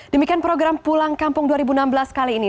demikian program pulang kampung dua ribu enam belas kali ini